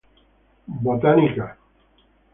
Bot., Proc.